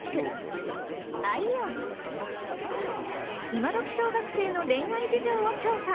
イマドキ小学生の恋愛事情を調査。